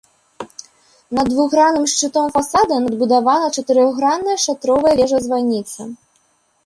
Над двухгранным шчытом фасада надбудавана чатырохгранная шатровая вежа-званіца.